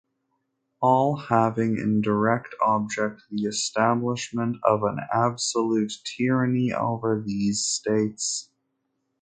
all having in direct object the establishment of an absolute Tyranny over these States.